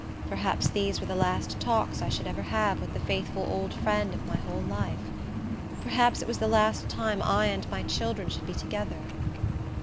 Perhaps these were the last talks I should ever have with the faithful old friend of my whole life! Perhaps it was the last time I and my children should be together!